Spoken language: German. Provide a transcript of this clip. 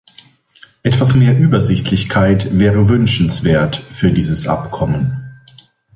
Etwas mehr Übersichtlichkeit wäre wünschenswert für dieses Abkommen.